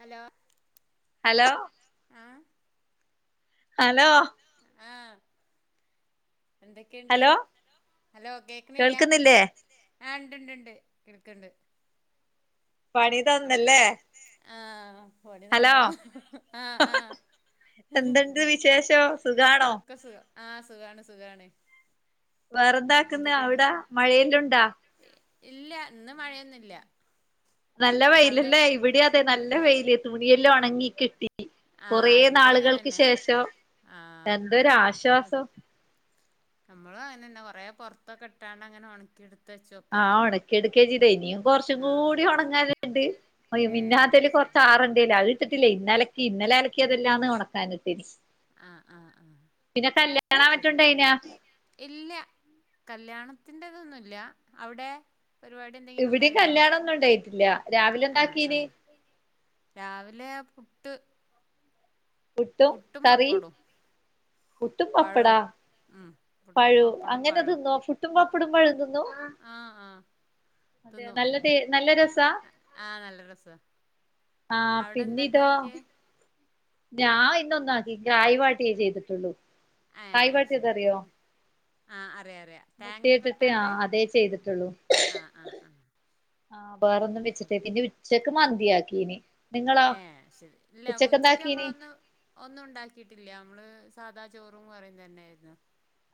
Hello hello ആഹ് hello ആഹ് എന്തെക്കെണ്ട് ഹലോ ഹലോ കേക്ക്ണില്ല്യ കേൾക്കുന്നില്ലേ ആഹാ ഇണ്ട്ണ്ട് ഇണ്ട് കേൾക്ക്ണ്ട്. പണി തന്നല്ലേ ആഹ് പണി ഹലോ നന്നു ആഹാ ആഹാ എന്തുണ്ട് വിശേഷം സുഖാണോ ഒക്കെ സുഖം ആഹാ സുഖാണ് സുഖാണ്. വേറെന്താക്ക്ന്ന് എന്തൊക്കെയുണ്ട് അവ്ടെ മഴയെല്ലുണ്ടോ? ഇല്ല ഇന്ന് മഴയൊന്നുല്ല്യ നല്ല വെയിലല്ലേ? ഇവിടെ അതെ നല്ല ഇല്ല വെയില് തുണിയെല്ലാം ഒണങ്ങി കിട്ടി. കൊറേ ആഹ് ഇവിടെ നാള്കൾക്ക് അങ്ങനെന്നെ ശേഷം ആഹ് എന്തൊരാശ്വാസം. ഞ്ഞമ്മളു അങ്ങനന്നെ കൊറേ പൊറ്ത്തൊക്കെട്ടാണ്ട്ങ്ങനെ ഒണക്കിട്‌ത്ത് ആഹാ ഉണക്കിയെടുക്കാ ചെയ്തെ ഇനിയും കൊറച്ചും ആഹ് കൂടി ഉണങ്ങാന്ണ്ട്. ഏഹ് മിനിഞ്ഞാന്നത്തേല് ശരി കൊറച്ച് ആറണ്ടേല്ലാ അത്ട്ത്തിട്ടില്ലേ ഇന്നലക്കീ ഇന്നലെ അലക്കിയെതല്ലാംന്ന് ഉണക്കാനിട്ടീന് ആഹ ആഹ ആഹ പിന്നെ കല്യാണ ഇല്ല കല്യാണത്തിന്റെതൊന്നുല്ല്യ. അവിടെ? പരിപാടി എന്തെങ്കിലും ഇവിടെ ഉണ്ടായിരുന്നോ. കല്യാണൊന്നും ഉണ്ടായിട്ടില്ല രാവിലെ ആഹ് ഉണ്ടാക്കീന് ആഹ് രാവിലെ പുട്ട്. പുട്ടും കറി പുട്ടും വപ്പടാ. പഴവും ഉം പുട്ടും പഴും പപ്പടും അങ്ങനെ പഴവും തിന്നോ ഫുട്ടും പപ്പടം പഴം തിന്നും ആഹ് ആഹ് തിന്നു നല്ല ടെസ്റ്റാ നല്ല രസാ? ആഹ് നല്ല രസാ ആഹാ അവിടെ പിന്നിതോ? എന്താണ്ടാക്കിയേ ഞാപിന്നെ ഒന്നാക്കി ക്റായ് വായിട്ടേ ചെയ്തിട്ടുള്ളു. ഏഹ് ശെരി ആഹ് അറിയാ അറിയ മുട്ടയിട്ടിട്ട് തേങ്ങൊക്കെട്ടാണ്ട്. ആഹ് അതേ ചെയ്തിട്ടുള്ളൂ ആഹ്, ആഹ്, ആഹ്. ആഹ് വേറൊന്നും വെച്ചിട്ടേ പിന്നെ ഉച്ചക്ക് മന്തിയാക്കീന് നിങ്ങളോ ഏ ശെരി ഇല്ല, ഉച്ചക്ക് ഉച്ചക്കെന്താക്കീന് ഞമ്മളൊന്ന് ഒന്നും ഉണ്ടാക്കിയിട്ടില്ല നമ്മള് സാദാ ചോറും കറിയും തന്നെയായിരുന്നു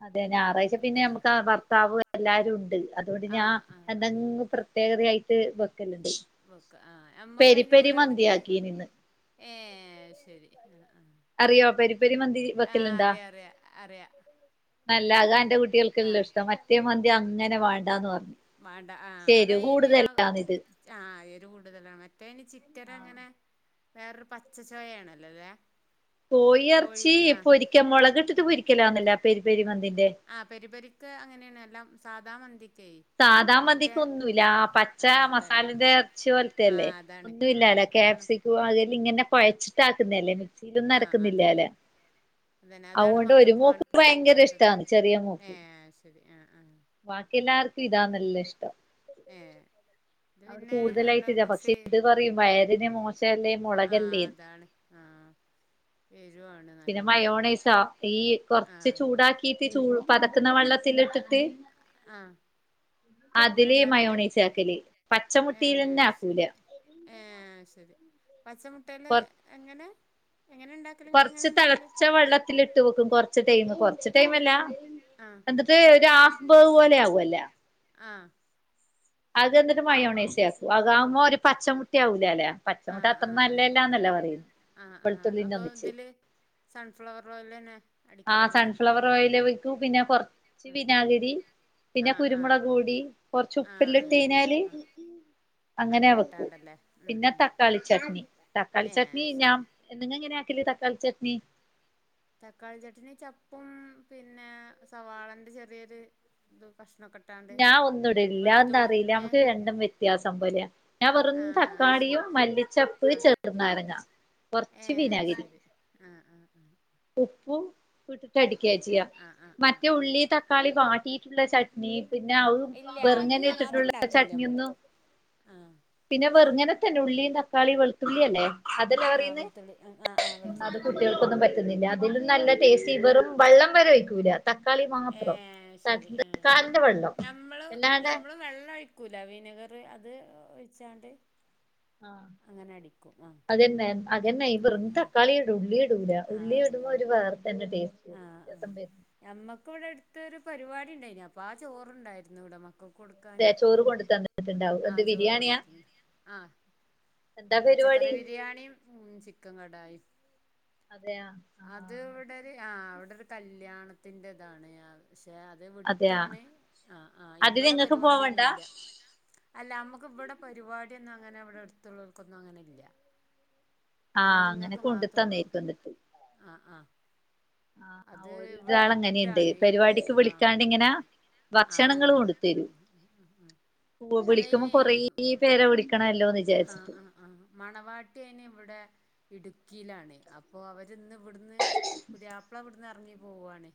അതെ ഞായറാഴ്ച പിന്നെ പി ഞ്ഞമ്മക്ക് ആ ഭർത്താവ് എല്ലാരുണ്ട് അതുകൊണ്ട് ആ ഞാ ആ ആ എന്തെങ്കു പ്രേത്യാ പ്രത്യേകതയായിട്ട് വെക്കല്ല്ണ്ട് വെക്കാ ആ ഞ്ഞമ്മക്കയിനിവടെ എട്ത്ത് മന്തിയാക്കീനിന്ന് ഏഹേ അഹ് ശെരി ആ അറിയോ പെരി പെരി മന്തി ആഹാ ആഹ് വെക്കലുണ്ടാ അറിയറിയ അറിയ നല്ല അത അന്റെ കുട്യാൾക്കെല്ലാം ഇഷ്ടം മറ്റേ മന്തി അങ്ങനെ വേണ്ടാന്ന് പറഞ്ഞു വേണ്ട ആഹ് എരു അതയിന് കൂടുതല്ലാന്ന് ഇത് ആ എരു കൂടുതലാണ് മറ്റേ നി ചിറ്റരങ്ങനെ വേറൊരു പച്ചച്ചോയണല്ലോ ല്ലേ കോഴിയെർച്ചി പൊരിക്കമ്മൊളക് ട്ടിട്ട് പൊരിക്കലാന്നല്ലെ പെരി പെരി മന്തിന്റെ ആഹ്. പെരി പെരി ക്കെ അങ്ങനേണ് എല്ലാം സാദാ മന്തിക്കെ സാദാ മതിക്കൊന്നുല്ല പച്ച അതാണ് മസാലന്റെ എറ്ച്ചി പോലത്ത ആ ല്ലേ അതാണ് ആ ഒന്നുല്ലലെ അതാണ് ക്യാപ്സിക്കോ അതെല്ലങ്ങനെ കൊഴച്ചിട്ടാക്ക്ന്നല്ലേ ആ അതന്നെ മിക്സിയിലൊന്നരക്കുന്നില്ലാലോ? അതന്നെ അതാണ് മക്കക്ക് മാണ്ടാ പറ്റാത്തത് ഇഷ്ടാണ് ഏഹേ അഹ്ശെരി ആ ആഹാ വാക്കിയെല്ലാർക്കിതാ നല്ല ഇഷ്ടം. ഏഹ് ഇത് അവിടെ പിന്നെ നല്ലോം കൂടുതലായിട്ടില്ല കൊർച്ച് പക്ഷെ ഇത് പറയും വയറിന് മോശല്ലേ ആഹാ മുളകല്ലേന്ന് അതാണ് ആഹാ ഏരുവാണ് പിന്നെ മയോണൈസ തീയ് കൊറച്ച് ആഹ് ചൂടാക്കിട്ട് ചൂ പതക്കുന്ന വെള്ളത്തി ഇട്ടിട്ട് ആഹ് അങ്ങനെ ണ്ടാക്കല് ഏ പച്ചമുട്ടിയിലെന്നെ ആക്കൂല ശരി ഏ ശരി പച്ചമുട്ടേല്എങ്ങനെ എങ്ങനെണ്ട കൊർച്ച് തൾച്ച വെള്ളത്തിലിട്ട് വെക്കും. കൊർച്ച് ടൈമ്. കൊർച്ച് ടൈമല്ല. ആഹ് ബെന്ത്ട്ട് ഒരു ഹാഫ് ബേവ് പോലെ ആകൊല്ലാ. ആഹ്. എന്നിട്ട് മയോണൈസ് ആക്കും അതാവുമ്പോ ഒരു പച്ചമുട്ട ആവൂലാല്ലേ [unintelligible] പച്ചമുട്ട ആഹ് അത്ര ആഹ് അത് ശരി നല്ലതല്ലാന്നല്ലേ പറയുന്നെ ആഹ ആഹ വെളുത്തുള്ളിന്റെ അപ്പൊ ഒന്നിച്ച് തില് സൺഫ്ലവർ ഓയിലെന്നെ ആഹ്. അടിക്കലെന്നെ സൺഫ്ലവർ ഓയില് വെക്കും. പിന്നെ കൊർച്ച് വിനാഗിരി. പിന്നെ ആഹ് ആഹ് ആഹ് കുരുമുളക്‌പൊടി. കൊർച്ച് ആഹ് അങ്ങനെ ഇട്ടാ ഉപ്പല്ലട്ടയിഞ്ഞാല് ആഹ് അങ്ങനെ വെക്കും. ഇട്ടാണ്ടല്ലേ ഉം പിന്നെ ഉം തക്കാളി ചട്നി. തക്കാളി ചട്നി ഏഹ് ഞാ ശരി എന്ന്ങ്ങ ങ്ങനെ ആക്കല് തക്കാളി ചട്നി. തക്കാളി ചട്നി. ചപ്പും പിന്നേ സവാളന്റെ ചെറിയൊര്തും കഷ്ണക്കെ ഞാ ഒന്നുടേല്ല. ആ ന്താറില്ല അമ്മക്ക് രണ്ടും വ്യത്യാസം പോലെ ഞാ വെറും ആഹ് തക്കാളിയും ശരി മല്ലിച്ചപ്പ്, ആഹ് ചെർന്നാരങ്ങ. ഏ കൊർച്ച് വിനാഗിരി. ശരി ആഹ് ആഹ് ആഹ് ഉപ്പും ഇട്ട്ട്ട് ഉപ്പും അടിക്കാചെയ്യാ. ആഹ് ആഹ് ആഹ് മറ്റേ ഉള്ളി, തക്കാളി വാട്ടിയിട്ട്ള്ള ചട് നീ പിന്നെ അവും ഇല്ല അത് ബെറ്ങ്ങനെ ച്ചിട്ട്ള്ള അത്ണ്ടാക്കല്ലേ ചട്നി നമ്മള് ഒന്നും ആഹ് പിന്നെ വെർങ്ങനെത്തന്നെ ഉള്ളി, തക്കാളി, വെളുത്തുള്ളി അല്ലേ? അത് ആഹ് കേറീന്ന്. വെളുത്തുള്ളി ആഹ് ആഹ് അത് വെളുത്തുള്ളി കുട്ട്യോ ൾക്കൊന്നും പറ്റുന്നില്ല. അതിലും നല്ലത് ടേസ്റ്റി. വെറും വള്ളം വരെ ഒയ്ക്കൂല. തക്കാളി ഏ മാത്രം. തക് ശരി ആഹ് തക്കാൾന്റെ വെള്ളം. ഞമ്മള് അല്ലാണ്ട് നമ്മള് വെളളാഴിക്കൂല. വിനഗറ് അത് ഒഴിച്ചാണ്ട് ആഹ്. അങ്ങനെ അടിക്കും. ആഹ് അതന്നെ. അതെന്നെ ഈ ആഹ് വെറും ആഹ് തക്കാളിടും. ഉള്ളിയേടൂല ആഹ് ഉള്ളിയേ ടുമ്പോ അതന്നെ ഒരു വേറെ തന്നെ ടേസ്റ്റ്. ആഹ് ആഹ് [unintelligible] ഞമ്മക്ക് ഇവിടടുത്തൊരു പര്പാടിണ്ടായിന് അപ്പൊ ആ ചോറുണ്ടായിരുന്നു ഇവിടെ മക്കക്ക് കൊടു ക്കാന് ദേ ചോറ് കൊണ്ട് തന്നിട്ടുണ്ടാവും എന്ത് ആഹ് ചോറ് ബിരിയാണിയാ കൊണ്ട്ത്തന്ന് ആ എന്താ പരിപാടി പച്ചക്കറി ബിരിയാണിയും ഉ ചിക്കൻ കടായിം. അതെയാ ആ അത് ഇവിടൊരു ആ അവിടെ ഒരു കല്യാണത്തിന്റെ ഇതാണ് പക്ഷെ അത് അതെയാ വിട്ടാണ് ആ ആഹ് അതിന് ഇവിടെ ഇങ്ങക്ക് പോവണ്ടാ പര്പാടിയൊന്നുല്ലൃ. അല്ല നമ്മക്ക് ഇവിടെ പരിപാടിയൊന്നുംങ്ങനെ ഇവിടെ അട്ത്തുള്ളോർക്കൊന്നും അങ്ങനെ ഇല്ലൃ ആ അങ്ങനെ ആണ്ങ്ങക്ക് കൊണ്ട് മാത്രോള്ളു തന്നേക്കും എന്നിട്ട് ആഹ് ആഹ് അത് ഇവടെ വിട്ടാണ് [unintelligible] പരിപാടിക്ക് ആഹ് വിളിക്കാണ്ട് ഇങ്ങനാ ആഹ് ഭക്ഷണങ്ങൾ അതന്നെ കൊണ്ട് തരും വിളിക്കുമ്പോ അതയ്ന് കൊറേ പേരെ വിളിക്കണല്ലോന്ന് വിചാര്ച്ച് ആ ആ ആ മണവാട്ടി അയിന് ഇവിടെ ഇടുക്കിലാണ് ഓ അവര് ഇന്ന് ഇവിടുന്ന് പുത്യാപ്പള ഇവിടുന്ന് എറ്ങ്ങി പോവാണ്.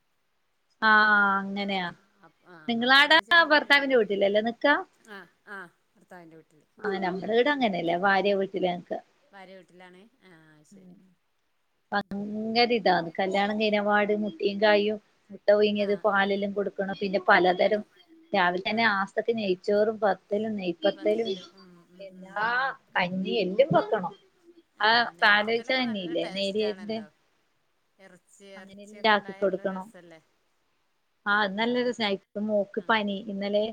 ആഹ് അങ്ങനെയാ അ ആ അപ്പൊ നിങ്ങളാടെ ഇവിടെ ചെറിയരു ഭർത്താവിന്റെ പരിവാട്യ വീട്ടിലല്ലേ നിക്കാ ആ ആ ഭർത്താവിന്റെ വീട്ടില് ആഹ് നമ്മുടെ ഈട അങ്ങനെയല്ലേ ഭാര്യ വീട്ടിലാനിക്ക ഭാര്യ വീട്ടിലാണ് ആ ശരി ഭയങ്കര ഇതാന്ന് കല്യാണം കയ്നപാട് മുട്ടിയും കായും മുട്ട പുയ്ങ്ങിയത് ആഹ് ആഹ് പാലല്ലും കൊടു പിന്നെ പലതരം, രാവില്തന്നെ ആഹ് ആസ്ഥത്തിന് നെയ്ച്ചോറും പത്തലും നെയ് ഇപ്പത്തലും വത്തല് ഉം ഉം ഉം എല്ലാ കഞ്ഞി എല്ലും വെക്കണം ആ ആഹ പാലൊഴിച്ച നെയ്പ്പത്തെലൊക്കെ നല്ലട്ടെ കഞ്ഞിയില്ലേ നേരിയരിന്റെ ടേസ്റ്റാണല്ലോ എർചി അങ്ങനെല്ലാം എറച്ചിഒക്കെണ്ടായലരസല്ലേ? ആഹ്ന്ന്ന് നല്ല രസായി പ്പൊ മോക്ക് പനി ഇന്നലെ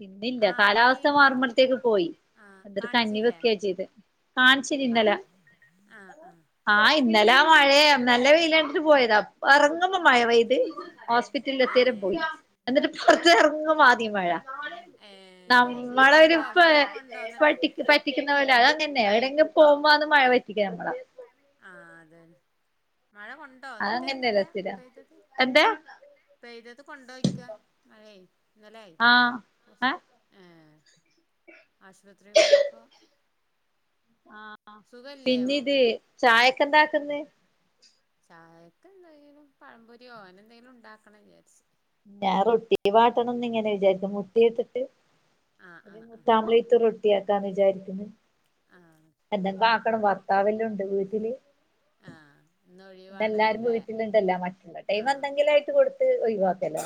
പിന്നില്ല ആഹ് പനി കാലാവസ്ഥ പറഞ്ഞ് മാറുമ്പോള്ത്തേക്ക് പോയി ആഹ് അന്തൊരു കഞ്ഞി കാണിച്ചില്ലേ വെക്കാ ചെയ്ത് കാൺച്ചിനിന്നല കാണി ആഹ് ആഹ് ആഹ് ഇന്നലെ ആ ശരി മഴയ നല്ല വെയിലാണ്ടിട്ട് പോയതാ അപ്പ എർങ്ങുമ്പോ മയപെയത്. ഹോസ്പിറ്റല് എത്തേരം പോയി ഏഹ് എന്നിട്ട് ഇപ്പർത്ത് എർങ്ങും ആദ്യമഴ തം- ഏഹ് ശരി മഴ ഒരു കൊണ്ടോ പ മഴ കൊണ്ടോ ഇന്നലെ പടി പറ്റിക്കുന്നപോല അത് അങ്ങന്യ ഏടെങ്കിലും പോക്ബാണ് മഴ പറ്റിക്കമ്മളെ ആ അതെ മഴ കൊണ്ടോ ന്നിട്ട് അതങ്ങനെയല്ല ന്നലെ സ്ഥിരം പെയ്തത് എന്താ പെയ്തത് കൊണ്ടോയ്ക്ക മഴേ ന്നലെ ആ പോ ആ ഏ ആശുപത്രി പോയപ്പോ ആ സുഖല്ലേ പിന്നിത് മോക്ക് ചായക്കെന്താക്ക്ന്ന് ചായക്ക് എന്തെങ്കിലും പഴംപൊരിയോ അനെന്തെലും ണ്ടാക്കണം വിചാരിച്ച് ഞാൻ റൊട്ടി വാട്ടണംന്നിങ്ങനെ വിചാര്ക മുട്ടിഇട്ടട്ട് ആഹ് ആഹ് ആഹ് അമ്പളേറ്റ് റൊട്ടിയാക്കാന്ന് വിചാരിക്ക്ന്ന് ആഹ് എന്തെങ്കു ആക്കണം ഭർത്താവെല്ലുണ്ട് വീട്ടില്. ആഹാ എല്ലാരും വീട്ടിലുണ്ടല്ല മറ്റ്ല്ലടൈമ് ആഹ് എന്തെങ്കിലും ആയിട്ട് കൊടുത്ത് ഒഴിവാക്കല്ലോ.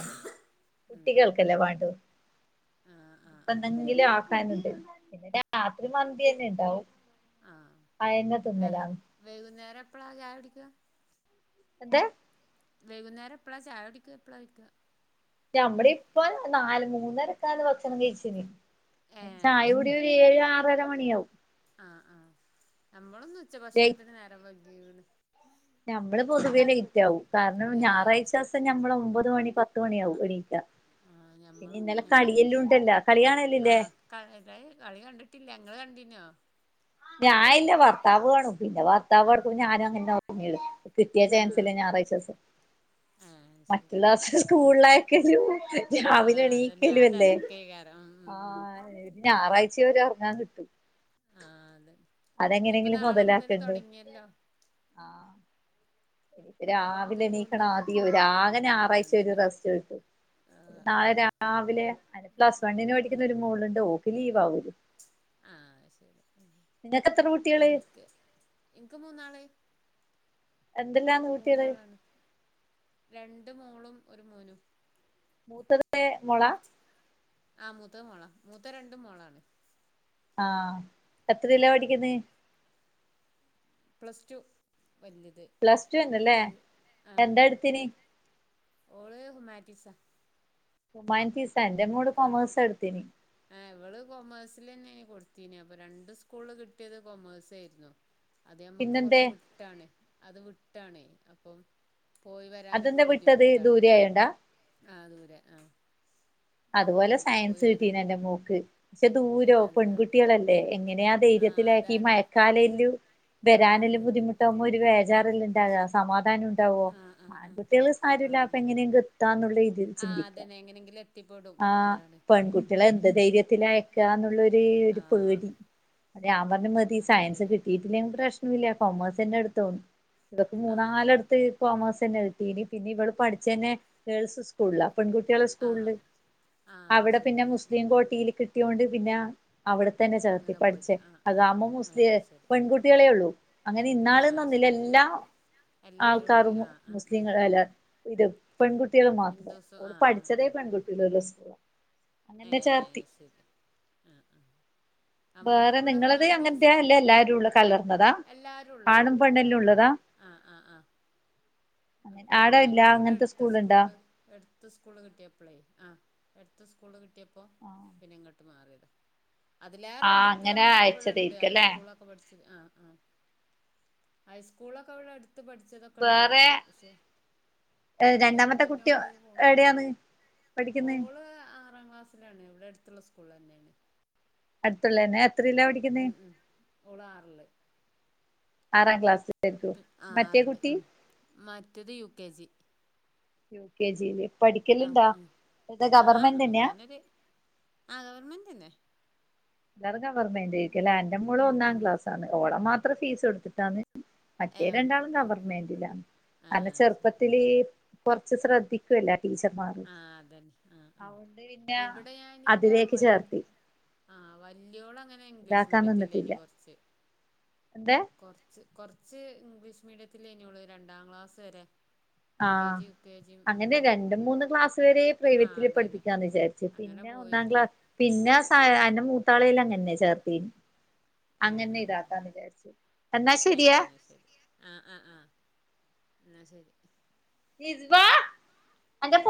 ഉം കലവാണ്ടു ആഹ് ആഹ് ആഹ് പന്തെങ്കില് അതന്നെ അ ടൈമ്ണ്ട് പിന്നെ രാത്രി മന്തി തന്നെ ഉണ്ടാവും. അയന്നെ ആ തിന്നലാണ് വൈകുന്നേരം എപ്പഴാ ചായ കുടിക്ക എന്ത് വൈകുന്നേരം എപ്പളാ ചായ കുടിക്കാപ്പളാ ചോയ്ക്ക? നഞമ്മള് ഇപ്പൊ നാല് മൂന്നരക്കാന്ന് ഭക്ഷണം കയിച്ചിന് ഏഹ് ചായ കുടി ഒരു ഏഴ് ആറര മണിയാാവും. ആഹ ആഹ് ഞമ്മളുന്ന് ഉച്ചഭക്ഷണത്തിന് നേരം വകിക്ണ് ഞമ്മള് പൊതുവേ ലയിറ്റാവും. കാരണം ഏഹ് ശരി ഞായറാഴ്ചസം ഞമ്മള് ഒമ്പത് മണി പത്ത് ആഹ് മണിയാവും എണീക്കാ ആഹ് പിന്നെ ഞമ്മളും ഇന്നലെ അങ്ങനെന്നെ കളിയെല്ലുണ്ടല്ല, കളി കാണലില്ലേ? [unintelligible] കളി കണ്ടിട്ടില്ല ങ്ങള് കണ്ടീന്നോ ഞാ ഇല്ല ഭർത്താവ് കാണും പിന്നെ ഭർത്താവ് ആഹ് കടക്കുമ്പോ ആഹ് ഞാനും അങ്ങനെ [unintelligible] കിട്ടിയ ചാൻസല്ലേ ഞായറാഴ്ചസം ആ മറ്റുള്ളാസം സ്കൂളിലയക്കലും, രാവിലെ എണീക്കലുഅല്ലേ? ക്കെ കാരം ആഹാ ആഹാ ആഹാ.. ! ഞായറാഴ്ചിവരെ ഒറങ്ങാൻ കിട്ടും. ആ അതെ ഇനിപ്പൊ അതെങ്ങനെങ്കിലും നാളെ മുതല് തുടങ്ങിയല്ലോ ആഹാ.. ! നാളെ രാവിലെ മുതല് എണീക്കണം വീണ്ടും ആദ്യം, ആകെ ഉം ഞാറാഴ്ച്ച ഒരു അതന്നെ റസ്റ്റ് കിട്ടൂ. ആഹ് നാളെ ആഹ് രാവിലെ അനി പ്ലസ് വണ്ണിന് പഠിക്കുന്ന ഒരു മോളുണ്ട്, ഓക്ക് ലീവാവും. ആ ശരി എത്ര കുട്ടികള് എൻക്ക് എൻക്ക് മൂന്നാള് എന്തെല്ലാന്ന് കുട്ടികള് മൂന്നാളാണ് രണ്ട് മോളും ഒരു മോനും മൂത്തത് ഏ മോളാ ആ മൂത്തത് മോള മൂത്ത രണ്ടും മോളാണ് ആഹാ എത്രിലാ പഠിക്കുന്നേ? പ്ലസ്ടു വല്ലുത്. പ്ലസ്ടുഏന്നല്ലേ? എന്താ എടുത്തിന്? ഓള് ഹ്യുമാനിറ്റീസാ ഹ്യുമാനിറ്റീസാ എന്റെ മോള് കോമേഴ്സ എടുത്തീന്. ആ ഇവള് കൊമേഴ്സിലന്നെ കൊടുത്തീനെ അപ്പൊ രണ്ട് സ്കൂള് കിട്ടിയത് കോമേഴ്സായ്രുന്നു അത് അമ്മക്ക് പിന്നെന്തേ കൊറച്ച് വിട്ടാണ് അത് വിട്ടാണേ അപ്പം പോയി അതെന്താ വരാനൊക്കെ വിട്ടത് ബുദ്ധിമുട്ടാണ് ദൂരെ ആയോണ്ടാ ആ ദൂരെ ആ അതുപോലെ സയൻസ് കിട്ടീനന്റെ- മോക്ക് പക്ഷെ ദൂരോ, അതെയോ പെൺകുട്ടികളല്ലേ എങ്ങനെയാ! ആഹ് ധൈര്യത്തിലാക്കി ഈ- അതാണ് മയക്കാലെല്ലൂ ആഹ് വരാനല്ലം അതന്നെ ബുദ്ധിമുട്ട്. ട്ടുമ്പോ ഒരു വേജാറല്ലണ്ടാകാ, സമാധാനം ഉണ്ടാവോ. ആഹ് ആഹ് ആഹ് ആൺകുട്ടികള്- ആരുല്ലാ പ്പോ എങ്ങനെങ്ക് എത്താനുളി. ആഹാ അതന്നെ എങ്ങനെങ്കിലും ഒക്കെ. ആ പെൺകുട്ടിളെ എന്ത് ധൈര്യത്തില അയക്കാന്നുള്ളരൂ ഒരു ആഹ് പേടി അത് ഞാൻ പറഞ്ഞ് മതി, ആഹ് സയൻസ് ശരിയാ കിട്ടീയിട്ടില്ലെങ്കിൽ പ്രശ്നം ഇില്ല, കൊമേഴ്സന്നെ എടുത്തോന്ന്. ഇവക്ക് ആഹ് ആഹ് മൂന്നാലടത്ത് കോമേഴ്സന്നെ കിട്ടീ ഇന് പിന്നെ ഇവൾ പഠിച്ചന്നെ ഗേൾസ് സ്കൂളിലാ. പെൺകുട്ടിയാളെ സ്കൂളിൽ ആഹ് ആഹ് അവിടെ ശരി പിന്നെ മുസ്ലിം കോട്ടിയിൽ കിട്ടിയോണ്ട് പിന്നെ അ അവടെ തന്നെ ചേർത്തി അങ്ങനെ പോയത് പഠിച്ചേ, ആഹ് ആഹ് അതാമ്പോ ആഹ് മുസ്‌ലിം ശരി പെൺകുട്ടികളെ ഉള്ളു. അങ്ങനെ ആഹ് ഇന്നാള്ന്നോന്നില്ല ശരി എല്ല- [unintelligible] എല്ലാരും ഉണ്ട് ആൾക്കാറും മു ആഹ് ആഹ് ഉം ഉം ഉം മുസ്ലിങ്ങളല്ല ഇത് പെൺകുട്ടികൾ മാത്രം, ഹിന്ദൂസും ഓള് ആഹ് ആഹ് പഠിച്ചതേ ആഹ് പെൺകുട്ടികൾ. ആഹ് [unintelligible] ഏ.... ശരി ആഹാ ആഹാ... ! വേറെ നമ്മക്കിവിടെ നിങ്ങളത് അങ്ങനത്തെ ഹ്യുമാനിറ്റീസ് അല്ല പിന്നെ എല്ലാരും ഉള്ള കലർന്നതാ എല്ലാരുള്ളതാ ആണും പെണ്ണെല്ലാം എല്ലാരുള്ളതാ ഉള്ളതാ ആഹാ ആഹാ ആഹാ അങ്ങനെ അപ്പോ- ആടെ ഇല്ല ഹ്യുമാനിറ്റീസിവിടെ അങ്ങനത്തെ എടുത്ത് സ്കൂളുണ്ടോ സ്കൂള- എടുത്ത സ്കൂള് കിട്ടിയപ്പളേ ആ എടുത്ത സ്കൂള് കിട്ടിയപ്പോ പിന്നെ ഇങ്ങ ട്ട് മാറിയെതാ അതിലേറെ ആഹ് എടുത്ത്- അങ്ങനെ ഞമ്മകിവിടെണ്ട് അയച്ചതായിരിക്കല്ലേ ഹൈസ്കൂളൊ- ക്കെ പഠിച്ച് ആഹാ ആഹാ... ! ഹൈസ്കൂളൊക്കെ ഇവിടെ അടുത്ത് പഠിച്ചതൊക്കെണ്ടോ? വേറെ ക്ക് പക്ഷെ, അവിടെന്നും രണ്ടാമത്തെ പിന്നെ കുട്ടി ഓള് ഫോം, എവിടെയാണ് പഠിക്കുന്നെ ഓള് ആറാം ക്ലാസ്. [unintelligible] ഇവിടെ എടുത്തുള്ള സ്കൂളിലന്നാണ് അടുത്തുള്ളന്നെ എത്രീലാ പഠിക്കുന്നേ? ഉം ഉം ഓള് ആറില് ആറാം ക്ലാസ് ആ മറ്റേ ആറില് കുട്ടി ഉം മറ്റേത് U K G U K ജില് ആഹ് പഠിക്കലുണ്ടോ ആഹ് ഇത് ഗവൺമെന്റ് തന്നെയാ ആ ഗവൺമെന്റ് ന്നെ എല്ലാരും ഗവർമെന്റ് അന്റെ മോള് ഉം ഒന്നാം ഉം ക്ലാസ്സണ് ഓള് മാത്രം ഫീസ് കൊടുത്തിട്ടാണ് മറ്റേ ഏഹ് രണ്ടാളും പഠിപ്പിക്കും ആഹ് ഗവൺമെൻ്റിലാ ആഹ് അത് ആഹ് ശരി ചെറുപ്പത്തില് കൊറച്ച് ശ്രദ്ധ യില്ല ടീച്ചർമാറി ആഹ് അതന്നെ ആഹ് ആഹ് അതോണ്ട് പിന്നെ ഇവിടെ ഞാനിന്റെ അതിലേക്ക് വല് ചേർത്തി. ആഹ് വലിയോള് അങ്ങനെ ഇംഗ്ലീഷ് ഇതാക്കാൻ മീഡിയത്തിൽ എനി കൊറച്ച്. തെ കൊറച്ച് കൊറച്ച് ഇംഗ്ലീഷ് മീഡിയയത്തിലായി നി ഓള് രണ്ടാം ക്ലാസ് വരെ L K ah G U K G ഉം ശെരി ആ പ്രൈവറ്റില് അതന്നെ പഠിപ്പിക്കാന്ന് വിചാരിച്ചു അങ്ങനെ പിന്നെ ഒന്നാം പോയിരുന്നു ക്ലാസ് പിന്നെ ആ അന്റെ മൂത്താളിൽ അങ്ങനെ ചേർത്തി ഏ അങ്ങനെ ആ ഇതാക്കാന്ന് വിചാരിച്ചു എന്നാ ശരിയാ എന്നാ ശരിയാ ആ ആ ആഹ് എന്ന ശരി. നിസ്ബ അൻ്റെ